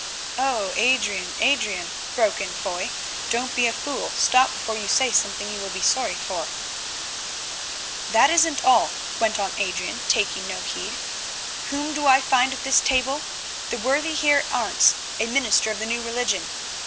"Oh! Adrian, Adrian," broke in Foy, "don't be a fool; stop before you say something you will be sorry for." "That isn't all," went on Adrian, taking no heed. "Whom do I find at this table? The worthy Heer Arentz, a minister of the New Religion.